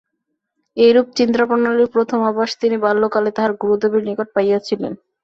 এইরূপ চিন্তাপ্রণালীর প্রথম আভাস তিনি বাল্যকালে তাঁহার গুরুদেবের নিকট পাইয়াছিলেন।